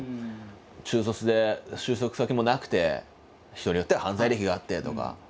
中卒で就職先もなくて人によっては犯罪歴があってとか。